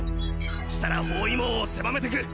したら包囲網を狭めてく！